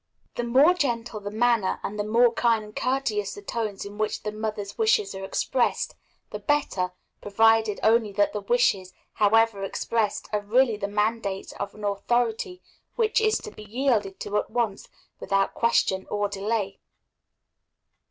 The more gentle the manner, and the more kind and courteous the tones in which the mother's wishes are expressed, the better, provided only that the wishes, however expressed, are really the mandates of an authority which is to be yielded to at once without question or delay.